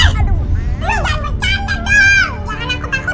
jangan aku takutin